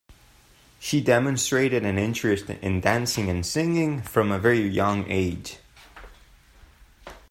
She demonstrated an interest in dancing and singing from a very young age.